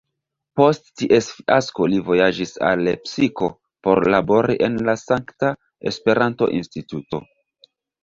Post ties fiasko li vojaĝis al Lepsiko por labori en la Saksa Esperanto-Instituto.